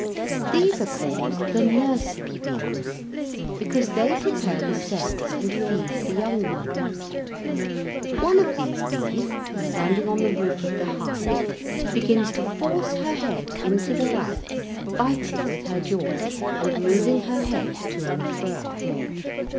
These are called the nursing bees, because they prepare the cells and feed the young ones. One of these bees, standing on the roof of the hive, begins to force her head into the wax, biting with her jaws and moving her head to and fro.